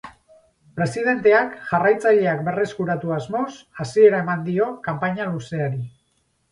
Presidenteak jarraitzaileak berreskuratu asmoz hasiera eman dio kanpaina luzeari.